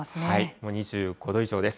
もう２５度以上です。